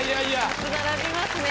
２つ並びますね。